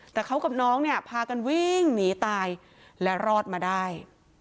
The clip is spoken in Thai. พี่น้องเนี่ยพากันวิ่งหนีตายและรอดมาได้